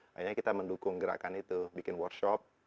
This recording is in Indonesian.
makanya kita mendukung gerakan itu bikin workshop